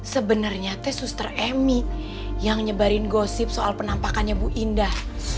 sebenernya teh suster emi yang nyebarin gosip soal penampakannya bu indah